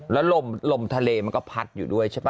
แล้วลมทะเลมันก็พัดอยู่ด้วยใช่ป่